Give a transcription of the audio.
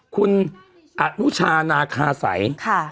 คุณอันุชานาฮาใสค่ะ